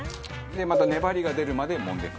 また粘りが出るまでもんで。